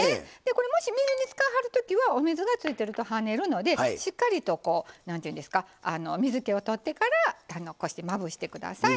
これもし水煮使わはるときはお水がついてるとはねるのでしっかりとこう何ていうんですか水けをとってからこうしてまぶしてください。